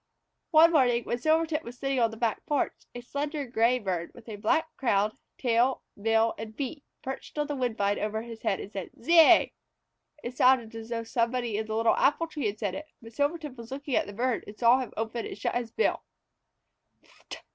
One morning when Silvertip was sitting on the back porch, a slender gray bird, with black crown, tail, bill, and feet, perched on the woodbine over his head and said, "Zeay!" It sounded as though somebody in the little apple tree had said it, but Silvertip was looking at the bird and saw him open and shut his bill.